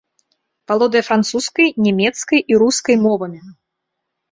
Валодае французскай, нямецкай і рускай мовамі.